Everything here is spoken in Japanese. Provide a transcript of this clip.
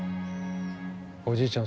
おじいちゃん